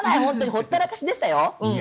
ほったらかしでしたよ。